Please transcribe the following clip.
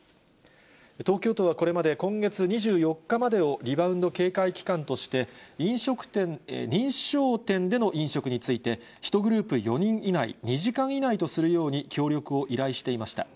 東京都はこれまで今月２４日までをリバウンド警戒期間として、認証店での飲食について、１グループ４人以内２時間以内とするように協力を依頼していました。